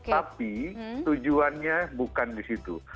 tapi tujuannya bukan di situ